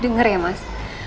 denger ya mas